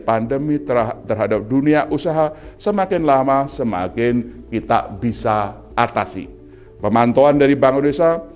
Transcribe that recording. pandemi terhadap dunia usaha semakin lama semakin kita bisa atasi pemantauan dari bank indonesia